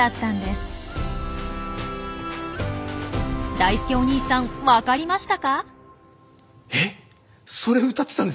だいすけおにいさん分かりましたか？